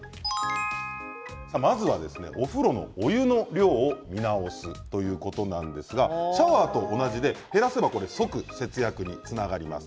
まずはお風呂のお湯の量を見直すということなんですがシャワーと同じで減らせばそうすると即節約につながります。